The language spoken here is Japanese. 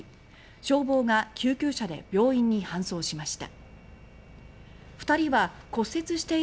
消防が救急車で病院に搬送しました。